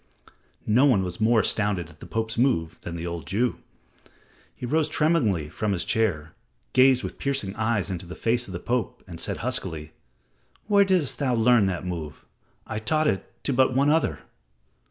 No one was more astounded at the Pope's move than the old Jew. He rose tremblingly from his chair, gazed with piercing eyes into the face of the Pope and said huskily, "Where didst thou learn that move? I taught it to but one other."